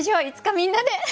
いつかみんなで！